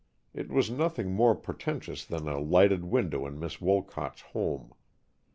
It was nothing more portentous than a lighted window in Miss Wolcott's home.